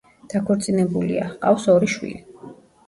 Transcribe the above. დაქორწინებულია, ჰყავს ორი შვილი.